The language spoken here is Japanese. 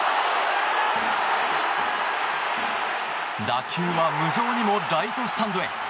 打球は無情にもライトスタンドへ。